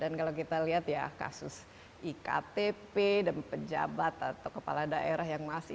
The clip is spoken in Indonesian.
dan kalau kita lihat ya kasus iktp dan pejabat atau kepala daerah yang kemudian